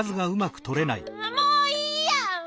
もういいや！